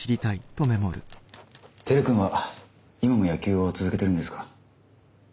輝君は今も野球を続けてるんですか？